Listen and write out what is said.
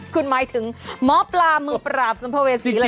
คุณหมายถึงหมอปลามือประหลาบสมภเวสีแล้วคือ